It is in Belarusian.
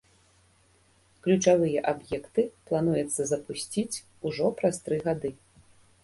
Ключавыя аб'екты плануецца запусціць ужо праз тры гады.